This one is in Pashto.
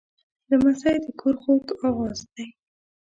لمسی د کور خوږ آواز دی.